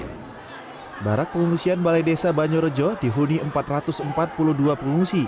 perang pelungsian balai desa banyorejo dihuni empat ratus empat puluh dua pelungsi